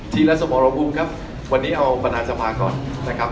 ทีละสมรบุคครับวันนี้เอาปัญหาสมัครก่อนนะครับ